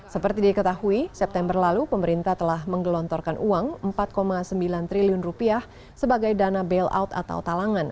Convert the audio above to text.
seperti diketahui september lalu pemerintah telah menggelontorkan uang rp empat sembilan triliun sebagai dana bailout atau talangan